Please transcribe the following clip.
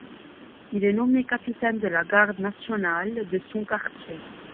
Il est nommé capitaine de la Garde nationale de son quartier.